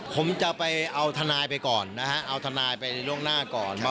ผมจะไปเอาทนายไปก่อนนะฮะเอาทนายไปล่วงหน้าก่อน